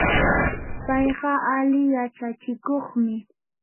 payqa ali yachachikuqmi.